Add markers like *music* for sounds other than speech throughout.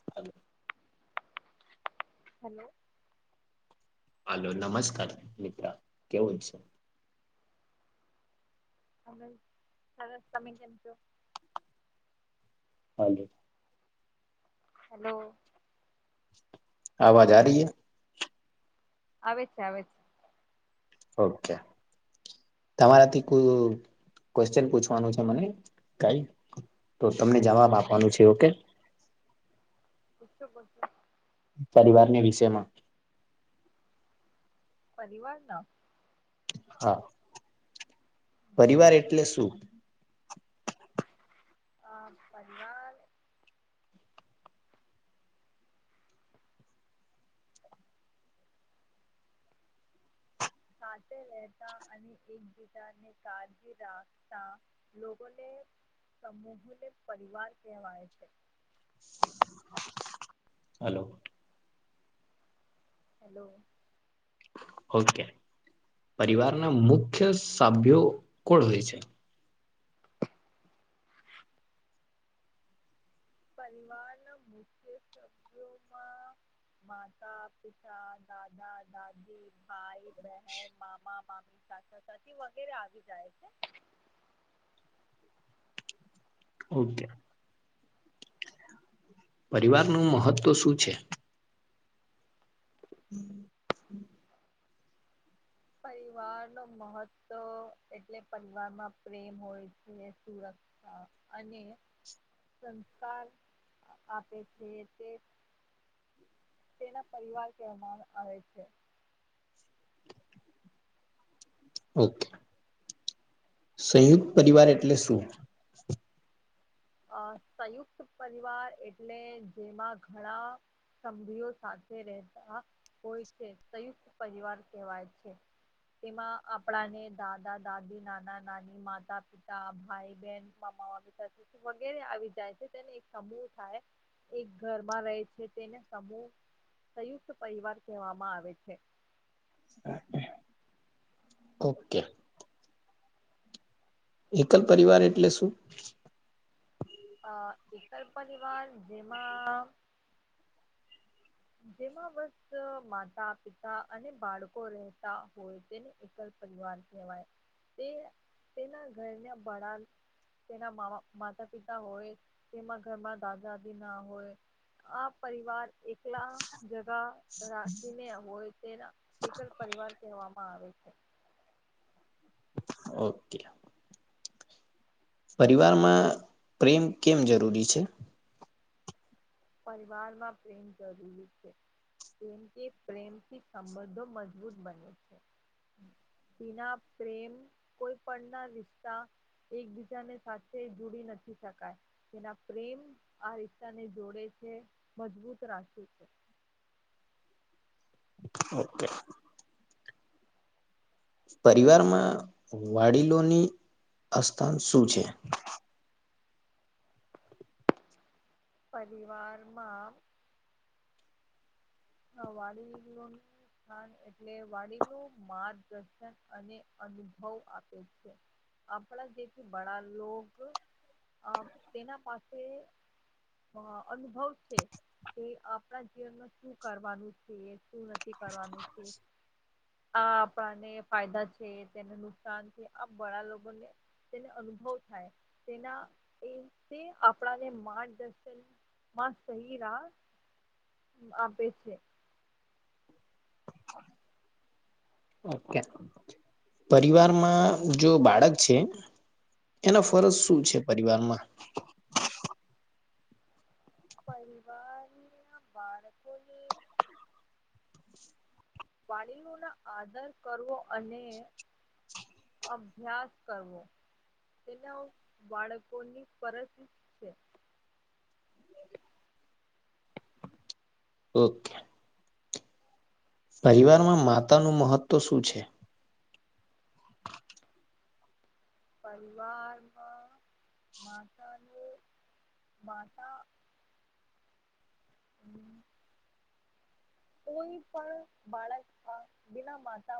*inaudible* Hello hello નમસ્કાર મિત્ર, કેવું છે? હલો સરસ તમે કેમ છો? Hello hello. આવાજ આ રિ હે આવે છે આવે છે. ઓકે. તમારાથી કોઈ ક્વેશ્ચન પૂછવાનું છે મને કઈ તો તમને જવાબ આપવાનું છે ઓકે *unintelligible* પરિવાર ની વિષયમાં પરિવાર ના હા પરિવાર એટલે શું? હ પરિવાલ સાથે રેતા અને એકબીજા ને કાળજી રાખતા લોકોને સમૂહ ને પરિવાર કહેવાય છે. હલો. હેલો ઓકે પરિવાર ના મુખ્ય સભ્યો કોણ હોય છે. *inaudible* પરિવારના મુખ્ય સભ્યો માં માતા પિતા દાદા દાદી ભાઈ બહેન મામા મામી ચાચા ચાચી વગેરે આવી જાય છે. ઓકે. પરિવાર નું મહત્વ શું છે? હમ્મ હમ્મ. પરિવાર નું મહત્વ એટલે પરિવારમાં પ્રેમ હોય છે સુરત અને સંસ્કાર આ આપે છે તે તેના પરિવાર કહેવામાં આ આવે છે. ઓકે સંયુક્ત પરિવાર એટલે શું? અ સંયુક્ત પરિવાર એટલે જેમાં ઘણા સભ્યો સાથે રહેતા હોય છે, સંયુક્ત પરિવાર કહેવાય છે. એમાં આપણા ને દાદા દાદી નાના નાની માતા પિ તા ભાઈ બેન મામા મામી વગેરે આવી જાય છે તેને એક સમૂહ થાય એક ઘરમાં રહે છે તેને સમૂહ સંયુક્ત પરિવાર કહેવામાં આવે છે. *inaudible* ઓકે. એકલ પરિવાર એટલે શું? અ એકલ પરીવાર જેમાં જેમાં વસ્ત માતા પિતા અને બાળકો રહેતા હોય તેને એકલ પરિવાર કહેવાય તે તેના ઘરના બડા તેના મામાં માતા પિતા હોય તેમાં ઘરમાં દાદા દદી ના હોય આ પરિવાર એકલા જગા રાખીને હોય તેના એક જ પરિવાર કહેવામાં આવે છે ઓકે પરિવારમાં પ્રેમ કેમ જરૂરી છે પરિવારમાં પ્રેમ જરૂરી છે કેમ કે પ્રેમથી સંબંધો મજબૂત બને છે વિના પ્રેમ કોઈ પણ ના રિશ્તા એકબીજાને સાથે જોડી નથી શકાય તેના પ્રેમ આ રિસ્તાને જોડે છે મજબૂત રાખે છે ઓકે પરિવારમાં વડીલોની અસ્થાન શું છે પરીવારમાં હા વડીલો ની એટલે વડીલો નું માર્ગદર્શન અને અનુભવ આપે છે આપણા જેથી બડા લોગ આ તેના પાસે અ અનુભવ છે કે આપણા જીવનમાં શું કરવાનું છે શું નથી કરવાનું છે આ આપણાને ફાયદા છે તેને નુકસાન છે આ બળા લોકોને તેને અનુભવ થાય તેના એ આપણાને માર્ગદર્શન માસ્ત હીરા આપે છે ઓકે પરિવારમાં જો બાળક છે એના ફરજ શું છે પરિવારમાં પરિવારના બાળકોને વડીલો ના આદર કરવો અને અભ્યાસ કરવો તેના બાળકોની ફરજ છે ઓકે પરિવારમાં માતાનું મહત્વ શું છે પરિવારમાં માતાને માતા હમ કોઈ પણ બાળકમાં બીના માતા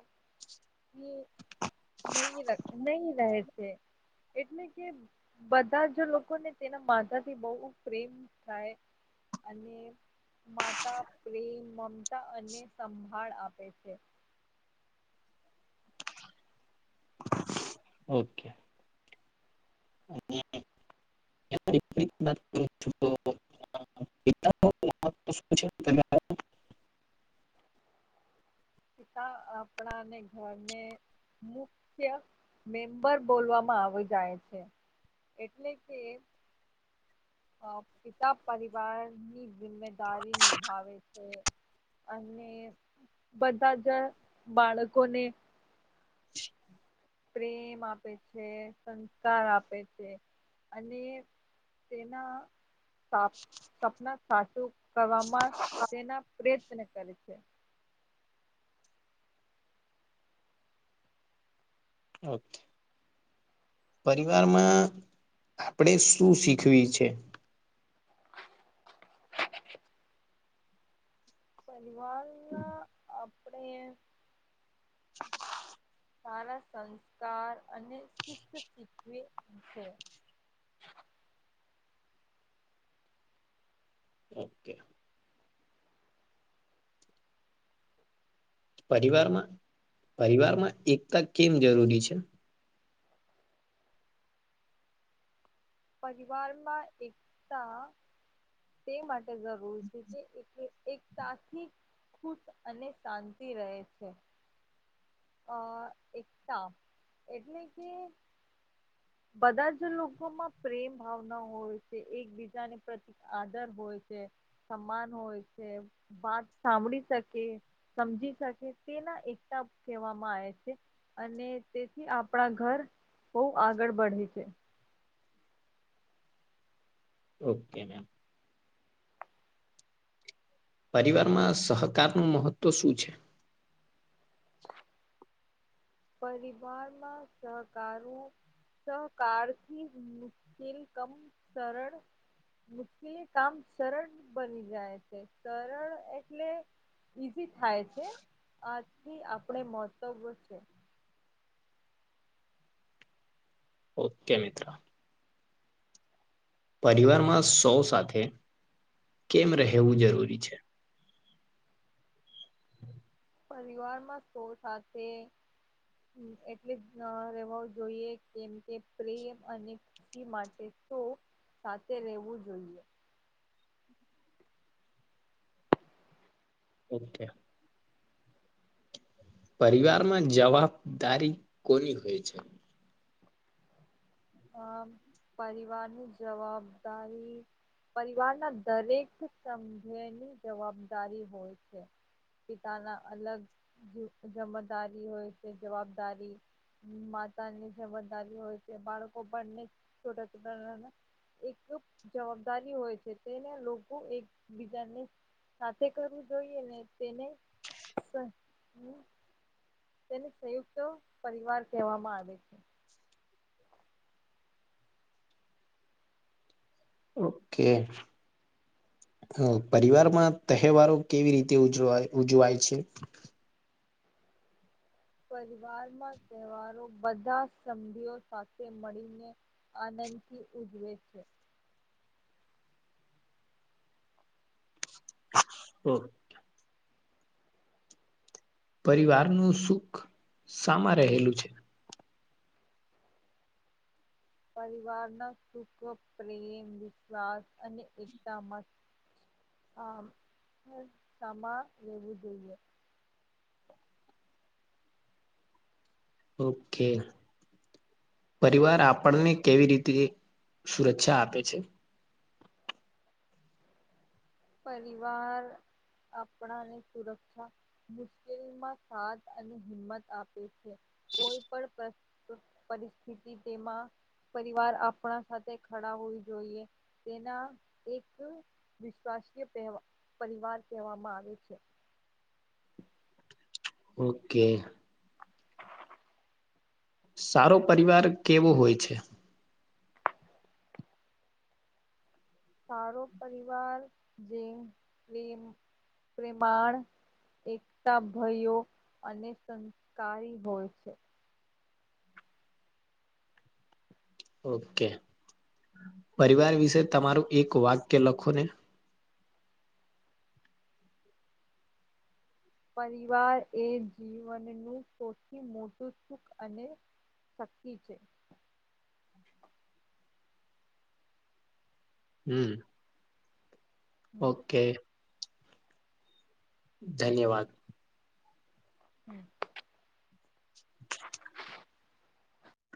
ની નહી નહી રહે છે એટલે કે બધા જ લોકોને તેના માતાથી બહુ પ્રેમ થાય અને માતા પ્રેમ મમતા અને સંભાળ આપે છે ઓકે એ *unintelligible* એલા તો તો પછી પિતા આપણાને ઘરને મુખ્ય મેમ્બર બોલવામાં આવી જાય છે એટલે કે અ પિતા પરિવાર ની જિમ્મેદારી નિભાવે છે અને બધા જ બાળકોને પ્રેમ આપે છે સંસ્કાર આપે છે અને તેના સા સપના સાચું કરવામાં તેના પ્રયત્ન કરે છે ઓકે પરિવારમાં આપણેે શું શીખવી છે પરિવાર ના આપણે *unintelligible* સારા સંસ્કાર અને શિસ્ત શીખવે છે. ઓકે પરિવારમાં પરિવારમાં એકતા કેમ જરૂરી છે. પરિવારમાં એકતા તે માટે જરૂરી છે કે એક સાથી ખુશ અને શાંતિ રહે છે. અ એકતા એટલે કે બધા જ લોકોમાં પ્રેમ ભાવના હોય છે એકબીજાને પ્રિક આદર હોય છે સમાન હોય છે. વાત સાંભળી શકે સમજી શકે તેના એકતા કહેવામાં આવે છે. અને તેથી આપણા ઘર બહ આગળ બે છે. ઓકે મેમ પરિવારમાં સહકાર નું મહત્વ શું છે? પરિવારમાં સહકારો સહકાર થી મુશ્કેલ કમ સરળ મુશ્કેલી કામ સરળ બની જાય છે સરળ એટલે ઈઝી થાય છે આથી આપણે મહત્વ છે. ઓકે મિત્ર પરિવારમાં સૌ સાથે કેમ રહેવું જરૂરી છે? પરિવારમાં સૌ સાથે એટલે જ રહેેવા જોઈએ કેમ કે પ્રેમ અને માટે તો સાથે રહેવું જોઈએ ઓકે પરિવારમાં જવાબદારી કોની હોય છે? અ પરિવારની જવાબદારી પરિવારના દરેક સંઘેની જવાબદારી હોય છે. પિતાના અલગ જમદારી હોય તે જવાબદારી માતાની જજદારી હોય છે બાળકો પણને છોટા છોટ એક તો જવાબદારી હોય છે તેને લોકો એકબીજાને સાથે કરવું જોઈએ ને તેને તેને સંયુક્ત પરિવાર કહેવામાં આવે છે ઓકે હ, પરિવારમાં તહેવારો કેવી રીતે ઉજ ઉજવાય છે પરિવારમાં તહેવારો બધા સંભીઓ સાથે મળીને આનંદથી ઉજવે છે હમ પરિવાર નું સુખ સામા રહેલું છે પરિવારના સુખ, પ્રેમ, વિશ્વાસ અને એકતા મત આમ હેલ્થ આમા રહેેવું જોઈએ ઓકે પરિવાર આપણને કેવી રીતે સુરક્ષા આપે છે પરિવાર આપણાને સુરક્ષા મુશ્કેલીમાં સાથ અને હિંમત આપે છે, કોઈ પણ પ્રશ્ન પરિસ્થિતિ તેમાં પરિવાર આપણા સાથે ખડા હોવી જોઈએ તેના એક રાષ્ટ્રીયતહેવા પરિવાર કહેવામાં આવે છે ઓકે *unintelligible* સારો પરિવાર કેવો હોય છે? સારો પરિવાર જેમ, પ્રેમ, પ્રેમાણ એકતા ભયો અને સંસ્કારી હોય છે. ઓકે પરિવાર વિશે તમારું એક વાક્ય લખો ને. પરિવાર એ જીવનનું સૌથી મોટું સુખ અને શક્તિ છે. હમ્મ હમ ઓકે. ધન્યવાદ. હમ્મ. *inaudible*